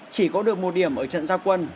chỉ có được một điểm ở trận gia quân